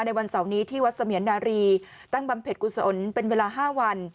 วันเสาร์นี้ที่วัดเสมียนนารีตั้งบำเพ็ญกุศลเป็นเวลา๕วัน